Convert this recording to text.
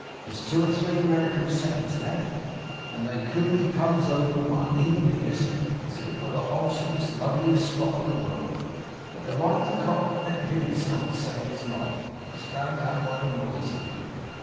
There's two or three American settlers left; and they coolly comes over one, even here, sir, as if it was the wholesomest and loveliest spot in the world. But they're like the cock that went and hid himself to save his life, and was found out by the noise he made.